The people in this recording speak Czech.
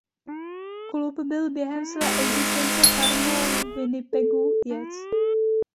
Klub byl během své existence farmou Winnipegu Jets.